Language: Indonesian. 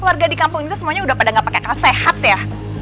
warga di kampung ini semuanya udah pada gak pakai kesehat ya